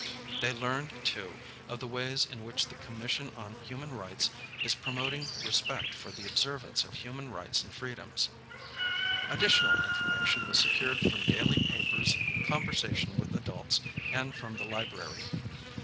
They learned, too, of the wavs in which the Commission on Human Rights is promoting respect for the observance of human rights and freedoms. Additional in formation was secured from daily ]>apers, conversation with adults, and from the library.